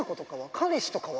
彼氏とかは？